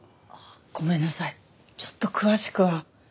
ごめんなさいちょっと詳しくは。